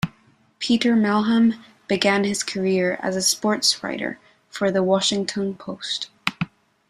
Peter Mehlman began his career as a sportswriter for "The Washington Post".